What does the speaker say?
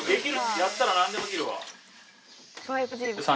やったらなんでもできるわ。